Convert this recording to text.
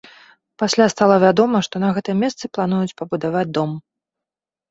Пасля стала вядома, што на гэтым месцы плануюць пабудаваць дом.